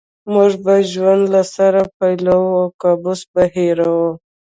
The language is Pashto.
موږ به ژوند له سره پیلوو او کابوس به هېروو